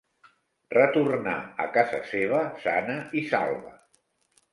Retornà a casa seva sana i salva.